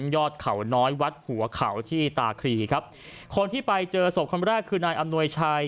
ยอดเขาน้อยวัดหัวเขาที่ตาครีครับคนที่ไปเจอศพคนแรกคือนายอำนวยชัย